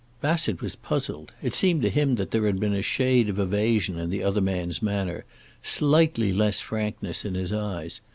Bassett was puzzled. It seemed to him that there had been a shade of evasion in the other man's manner, slightly less frankness in his eyes.